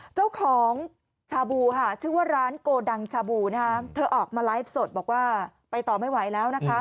เจ้าของชาบูชื่อว่าร้านโกดังชาบูออกมาไลฟ์สดบอกว่าไปต่อไม่ไหวแล้ว